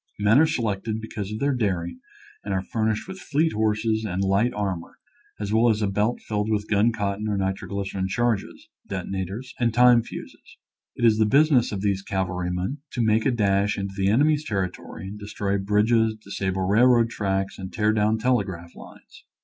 Men are selected because of their daring and are furnished with fleet horses and light armor, as well as a belt filled with gun cotton or nitroglycerin charges, detonators, and time fuses. It is the business of these cavalrymen to make a dash into the enemy's territory and destroy bridges, disable railroad tracks and tear down telegraph lines.